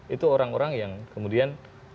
itu orang orang yang kemudian